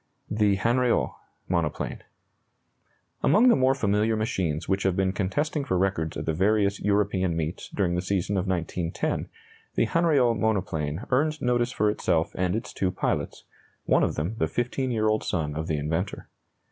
THE HANRIOT MONOPLANE. Among the more familiar machines which have been contesting for records at the various European meets during the season of 1910, the Hanriot monoplane earned notice for itself and its two pilots, one of them the fifteen year old son of the inventor.